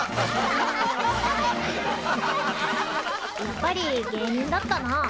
やっぱり芸人だったな。